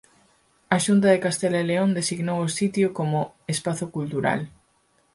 A Xunta de Castela e León designou o sitio como "Espazo Cultural".